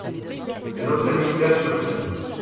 Les anciens militaires, surtout